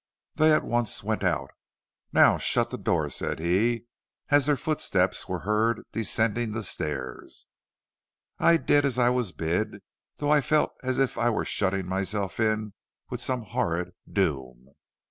They at once went out. 'Now shut the door,' said he, as their footsteps were heard descending the stairs. "I did as I was bid, though I felt as if I were shutting myself in with some horrid doom.